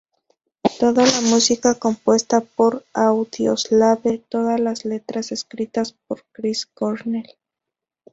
Toda la música compuesta por Audioslave, todas las letras escritas por Chris Cornell.